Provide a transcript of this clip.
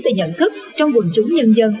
và nhận thức trong quần chúng nhân dân